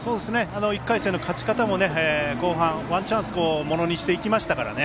１回戦の勝ち方も後半、ワンチャンスをものしていきましたからね。